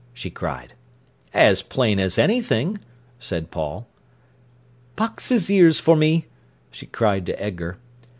she cried. "As plain as anything," said Paul. "Box his ears for me!" she cried to Edgar.